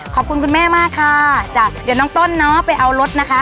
ขอบคุณคุณแม่มากค่ะจ้ะเดี๋ยวน้องต้นเนาะไปเอารถนะคะ